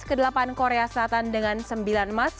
ke delapan korea selatan dengan sembilan emas